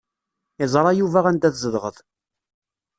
Iẓra Yuba anda tzedɣeḍ.